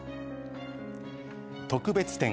特別展